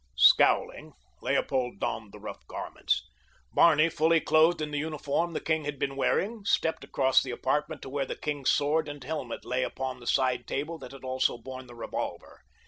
Scowling, Leopold donned the rough garments. Barney, fully clothed in the uniform the king had been wearing, stepped across the apartment to where the king's sword and helmet lay upon the side table that had also borne the revolver.